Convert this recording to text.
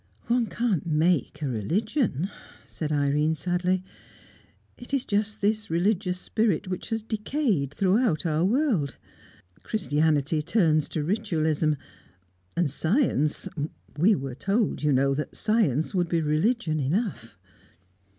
"One can't make a religion," said Irene sadly. "It is just this religious spirit which has decayed throughout our world. Christianity turns to ritualism. And science we were told you know, that science would be religion enough."